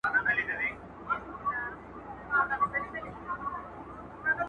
ساحله زه د عقل سترګي په خیال نه زنګوم،